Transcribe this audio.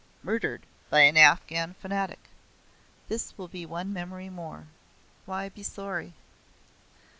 "Murdered by an Afghan fanatic." This will be one memory more. Why be sorry."